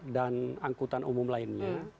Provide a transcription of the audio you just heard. dan angkutan umum lainnya